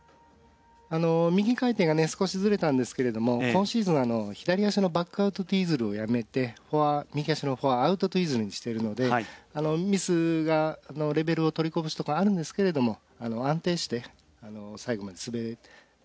あの右回転がね少しずれたんですけれども今シーズン左足のバックアウトツイズルをやめて右足のフォアアウトツイズルにしているのでミスがレベルをとりこぼしとかあるんですけれども安定して最後まで回れてるとは思います。